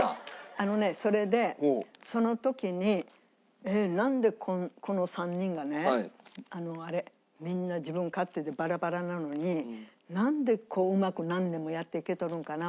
あのねそれでその時に「なんでこの３人がねみんな自分勝手でバラバラなのになんでうまく何年もやっていけとるんかな？」